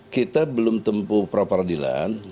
kita belum tempuh pra peradilan